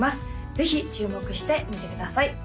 ぜひ注目してみてください